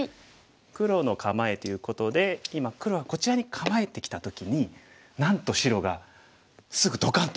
黒の構えということで今黒がこちらに構えてきた時になんと白がすぐドカンと。